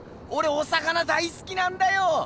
お魚大すきなんだよ。